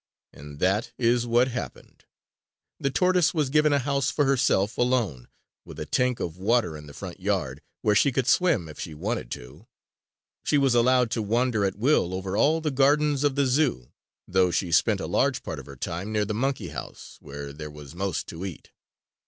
And that is what happened. The tortoise was given a house for herself alone, with a tank of water in the front yard, where she could swim if she wanted to. She was allowed to wander at will over all the gardens of the Zoo, though she spent a large part of her time near the monkey house, where there was most to eat.